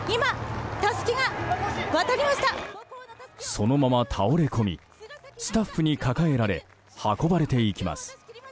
そのまま倒れ込みスタッフに抱えられ運ばれていきます。